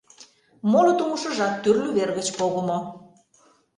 Моло тумышыжат тӱрлӧ вер гыч погымо.